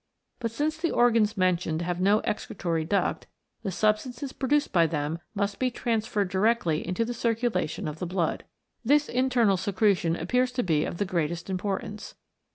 But since the organs mentioned have no excretory duct, the substances produced by them must be trans ferred directly into the circulation of the blood. This internal secretion appears to be of the greatest importance.